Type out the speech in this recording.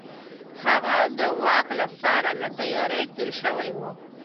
هغه د واک لپاره له تيارۍ تېر شوی و.